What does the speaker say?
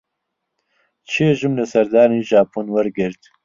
چێژم لە سەردانی ژاپۆن وەرگرت.